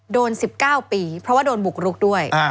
๑๙ปีเพราะว่าโดนบุกรุกด้วย